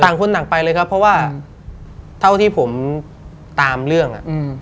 ต่างคนต่างไปเลยครับเพราะว่าเท่าที่ผมตามเรื่อง